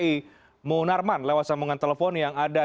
ibu munarman lewat sambungan telepon yang ada